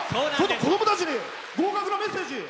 子どもたちに合格のメッセージ。